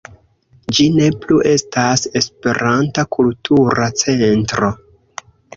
Ĝi ne plu estas "Esperanta Kultura Centro".